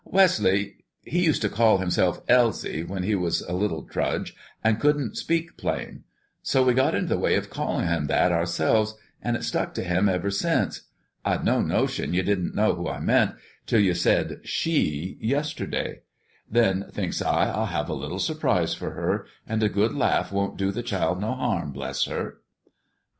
Wesley, he used to call himself 'Elsie' when he was a little trudge an' couldn't speak plain. So we got into the way of callin' him that ourselves an' it's stuck to him ever since. I'd no notion ye didn't know who I meant, till you said 'she' yesterday. Then, thinks I, I'll have a little surprise for her, and a good laugh won't do the child no harm, bless her!"